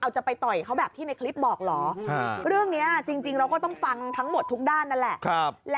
ใช่ค่ะทีนี้มันก็มีคำถามเหมือนกันนะ